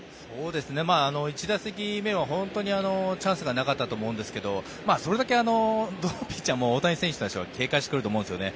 １打席目は本当にチャンスがなかったと思うんですがそれだけどのピッチャーも大谷選手に対しては警戒してくると思うんですね。